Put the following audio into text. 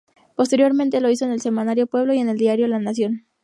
Posteriormente lo hizo en el Semanario Pueblo y en el diario La Nación.